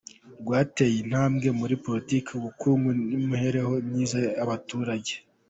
Rwateye intambwe muri politiki, ubukungu n’imibereho myiza y’abaturage.